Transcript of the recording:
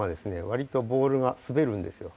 わりとボールがすべるんですよ。